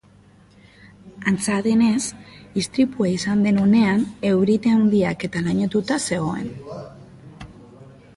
Antza denez, istripua izan den unean eurite handiak eta lainotuta zegoen.